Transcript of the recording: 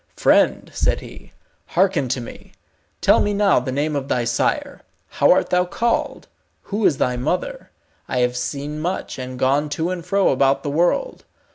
"Friend," said he, "hearken to me. Tell me now the name of thy sire. How art thou called; who is thy mother? I have seen much, and gone to and fro about the world.